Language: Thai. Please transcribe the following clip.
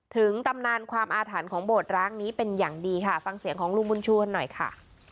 ตำนานความอาถรรพ์ของโบสถร้างนี้เป็นอย่างดีค่ะฟังเสียงของลุงบุญชวนหน่อยค่ะ